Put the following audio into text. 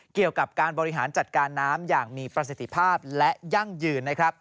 เกี่ยวกับการบริหารจัดการน้ำอย่างมีประสิทธิภาพและยั่งยืนนะครับ